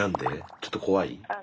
ちょっと怖い？